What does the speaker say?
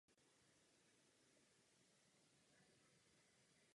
Květy jsou samosprašné.